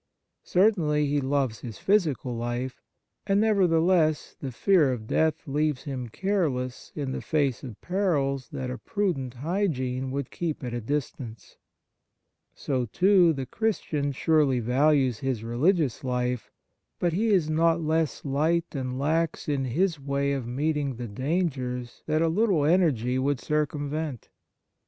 Certainly, he loves his physical life, and nevertheless the fear of death leaves him careless in the face of perils that a prudent hygiene would keep at a distance. So, too, the Christian surely values his religious life ; but he is not less light and lax in his way of meeting the dangers that a little energy would circumvent.